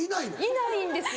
いないんですよ。